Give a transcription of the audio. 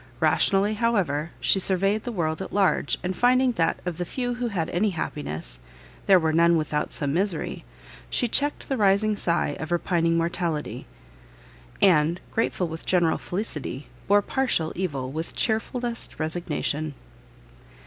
Rationally, however, she surveyed the world at large, and finding that of the few who had any happiness, there were none without some misery, she checked the rising sigh of repining mortality, and, grateful with general felicity, bore partial evil with chearfullest resignation.